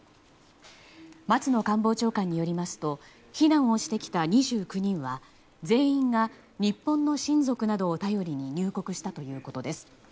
松野官房長官によりますと避難をしてきた２９人は全員が日本の親族などを頼りに入国したということです。